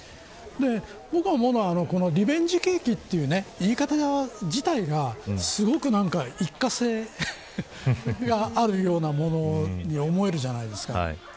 僕はリベンジ景気という言い方自体がすごく一過性があるようなものに思えるじゃないですか。